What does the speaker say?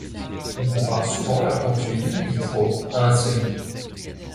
On compare souvent la plantule in vitro à un semis.